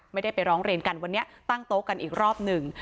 ไม่ได้ไปร้องเรียนกันวันนี้ตั้งโต๊ะกันอีกรอบหนึ่ง